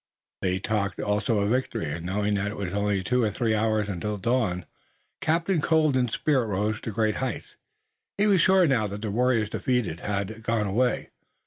They talked also of victory, and, knowing that it was only two or three hours until dawn, Captain Colden's spirits rose to great heights. He was sure now that the warriors, defeated, had gone away.